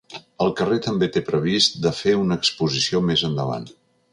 El carrer també té previst de fer una exposició més endavant.